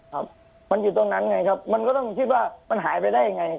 ครับมันอยู่ตรงนั้นไงครับมันก็ต้องคิดว่ามันหายไปได้ยังไง